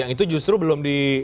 yang itu justru belum di